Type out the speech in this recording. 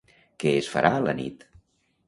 Què es farà a la nit?